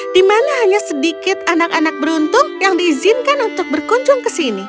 di mana hanya sedikit anak anak beruntung yang diizinkan untuk berkunjung ke sini